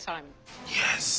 よし！